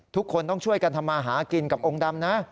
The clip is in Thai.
ทุกคนต้องช่วยกันทำมาหากินกับองค์ดำนะ